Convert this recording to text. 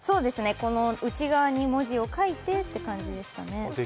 内側に文字を書いてって感じでしたね。